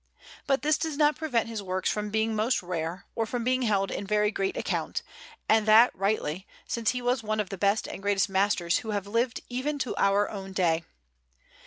But this does not prevent his works from being most rare, or from being held in very great account, and that rightly, since he was one of the best and greatest masters who have lived even to our own day.